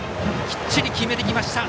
きっちり決めてきました。